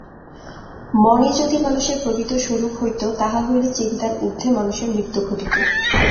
মনই যদি মানুষের প্রকৃত স্বরূপ হইত, তাহা হইলে চিন্তার ঊর্ধ্বে মানুষের মৃত্যু ঘটিত।